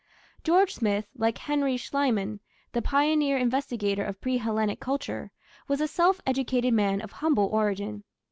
George Smith, like Henry Schliemann, the pioneer investigator of pre Hellenic culture, was a self educated man of humble origin.